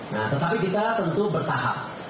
nah tetapi kita tentu bertahap